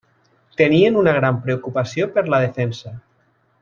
Tenien una gran preocupació per la defensa.